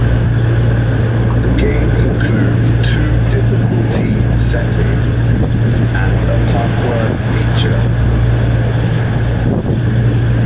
The game includes two difficulty settings and a password feature.